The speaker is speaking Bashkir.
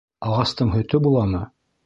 Ағастың һөтө буламы?